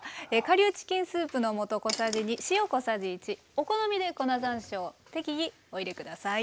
顆粒チキンスープの素小さじ２塩小さじ１お好みで粉ざんしょう適宜お入れ下さい。